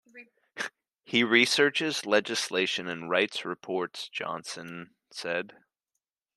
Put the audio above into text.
He researches legislation and writes reports, Johnson said.